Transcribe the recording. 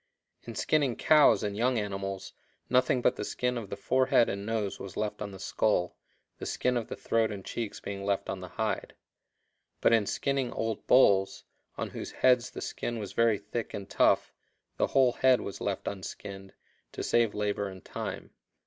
In skinning cows and young animals, nothing but the skin of the forehead and nose was left on the skull, the skin of the throat and cheeks being left on the hide; but in skinning old bulls, on whose heads the skin was very thick and tough, the whole head was left unskinned, to save labor and time.